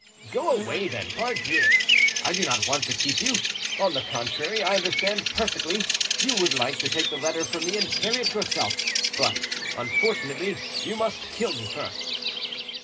"Go away, then; pardieu, I do not want to keep you. On the contrary, I understand perfectly; you would like to take the letter from me and carry it yourself; but unfortunately you must kill me first."